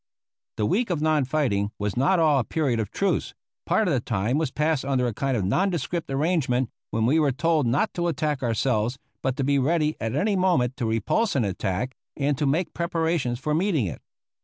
The week of non fighting was not all a period of truce; part of the time was passed under a kind of nondescript arrangement, when we were told not to attack ourselves, but to be ready at any moment to repulse an attack and to make preparations for meeting it.